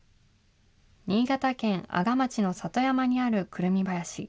新潟県阿賀町の里山にあるクルミ林。